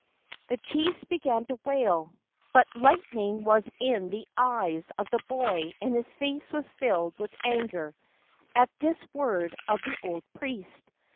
The chiefs began to wail, but lightning was in the eyes of the boy and his face was filled with anger at this word of the old priest.